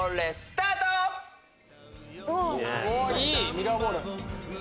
ミラーボール。